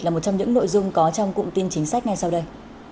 là một trong những nội dung có trong cụm tin chính sách ngay sau đây